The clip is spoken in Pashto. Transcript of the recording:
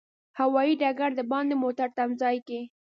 هوایي ډګر د باندې موټرو تمځای کې.